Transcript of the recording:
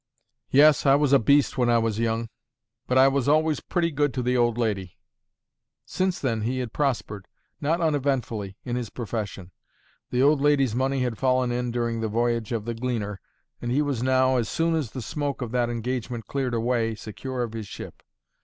Yes, I was a beast when I was young. But I was always pretty good to the old lady." Since then he had prospered, not uneventfully, in his profession; the old lady's money had fallen in during the voyage of the Gleaner, and he was now, as soon as the smoke of that engagement cleared away, secure of his ship.